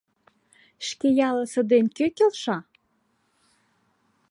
Шке ялысе ден кӧ келша?